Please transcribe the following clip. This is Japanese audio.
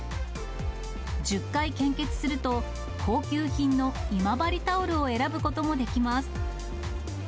１０回献血すると、高級品の今治タオルを選ぶこともできます。